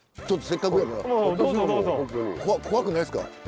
ちょっとせっかくやから。